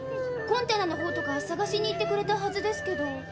コンテナの方とかさがしに行ってくれたはずですけど。